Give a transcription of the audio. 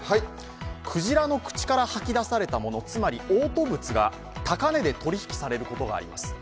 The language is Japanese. クジラの口から吐き出されたものつまりおう吐物が高値で取引されることがあります。